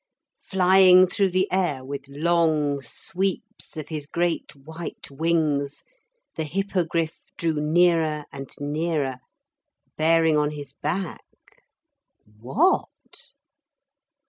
Flying through the air with long sweeps of his great white wings, the Hippogriff drew nearer and nearer, bearing on his back what?